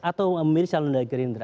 atau memilih calon dari gerindra